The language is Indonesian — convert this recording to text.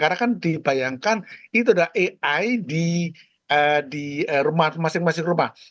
karena kan dibayangkan itu udah ai di rumah masing masing rumah